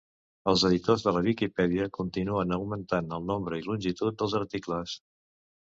Els editors de la Viquipèdia continuen augmentant el nombre i longitud dels articles.